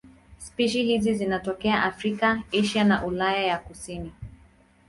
Spishi hizi zinatokea Afrika, Asia na Ulaya ya kusini.